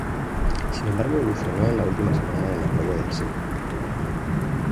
Sin embargo evolucionó en la última semana en apoyo del "sí".